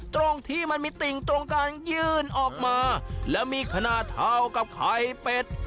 ตรงที่มันมีติ่งตรงกลางยื่นออกมาและมีขนาดเท่ากับไข่เป็ด